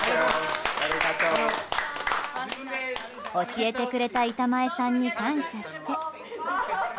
教えてくれた板前さんに感謝して。